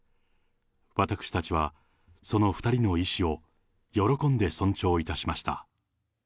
私たちはその２人の意思を喜んで尊重いたしました。